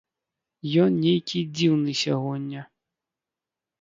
Ён нейкі дзіўны сягоння.